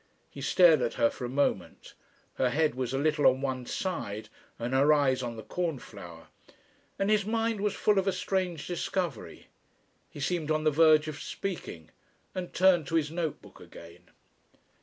He stared at her for a moment her head was a little on one side and her eyes on the cornflower and his mind was full of a strange discovery. He seemed on the verge of speaking, and turned to his note book again.